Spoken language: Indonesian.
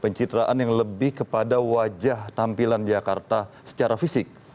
pencitraan yang lebih kepada wajah tampilan jakarta secara fisik